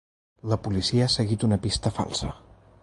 La policia ha seguit una pista falsa.